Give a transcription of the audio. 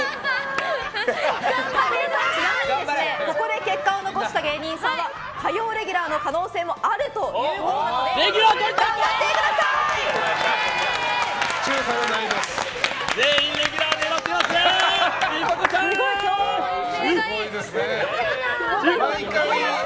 ちなみに、ここで結果を残した芸人さんは火曜レギュラーの可能性もあるということなので全員レギュラー狙ってます！